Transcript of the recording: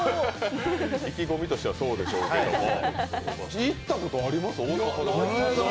意気込みとしてはそうでしょうけれども、行ったことあります？